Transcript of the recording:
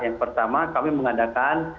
yang pertama kami mengadakan